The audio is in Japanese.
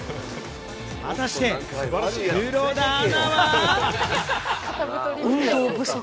果たして、黒田アナは？